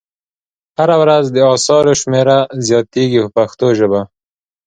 هره ورځ د اثارو شمېره زیاتیږي په پښتو ژبه.